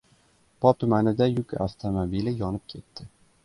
Pop tumanida yuk avtomobili yonib ketdi